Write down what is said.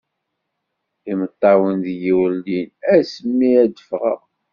Imeṭṭawen deg-i ur llin, ass-n mi ad d-ffɣeɣ